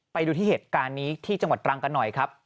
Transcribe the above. ไปดูที่เหตุการณ์นี้ที่จังหวัดตรังกันหน่อยครับ